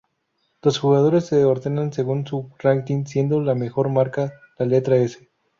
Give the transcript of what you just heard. Los jugadores se ordenan según su ranking, siendo la mejor marca la letra "S".